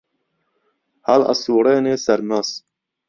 هەڵ ئەسووڕێنێ سەرمەس